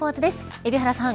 海老原さん